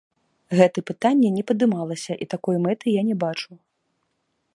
Гэта пытанне не падымалася і такой мэты я не бачу.